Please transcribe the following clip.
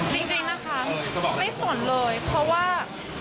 จริงนะคะไม่สนเลยเพราะว่า